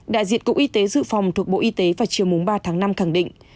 đại diện cục y tế dự phòng thuộc bộ y tế vào chiều ba tháng năm khẳng định